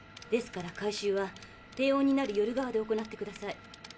ですから回収は低温になる夜側で行ってください。